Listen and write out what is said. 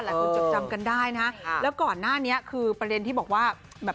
จดจำกันได้นะแล้วก่อนหน้านี้คือประเด็นที่บอกว่าแบบ